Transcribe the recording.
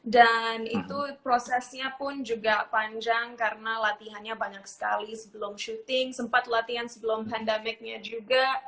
dan itu prosesnya pun juga panjang karena latihannya banyak sekali sebelum shooting sempat latihan sebelum pandemic nya juga